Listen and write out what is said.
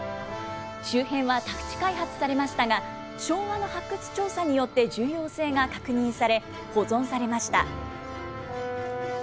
周辺は宅地開発されましたが、昭和の発掘調査によって重要性が確認され、保存されました。